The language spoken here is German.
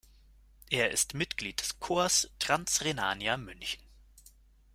Er ist Mitglied des Corps Transrhenania München.